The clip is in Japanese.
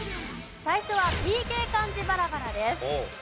最初はＰＫ漢字バラバラです。